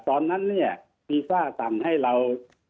ตอนนั้นเนี่ยมีฝ้าตำให้เรา